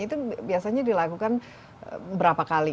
itu biasanya dilakukan berapa kali